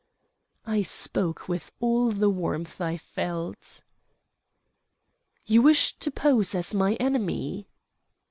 I spoke with all the warmth I felt. "You wish to pose as my enemy?"